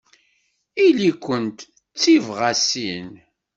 Ili-kent d tibɣasin.